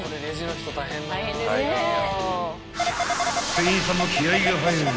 ［店員さんも気合が入る］